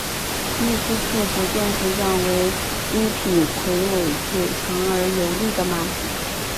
秘书处逐渐成长为一匹魁伟且强而有力的马匹。